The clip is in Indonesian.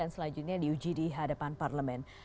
selanjutnya di uji di hadapan parlemen